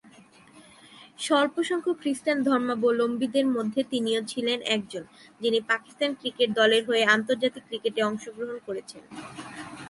স্বল্পসংখ্যক খ্রিস্টান ধর্মাবলম্বীদের মধ্যে তিনিও ছিলেন একজন, যিনি পাকিস্তান ক্রিকেট দলের হয়ে আন্তর্জাতিক ক্রিকেটে অংশগ্রহণ করেছেন।